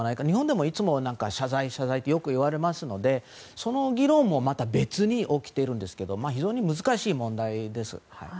日本でもいつも謝罪謝罪ってよく言われますのでその議論も、また別に起きているんですけど非常に難しい問題です。